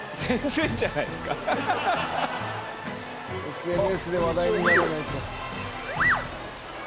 ＳＮＳで話題にならないと。